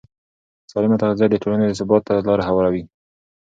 سالمه تغذیه د ټولنې ثبات ته لاره هواروي.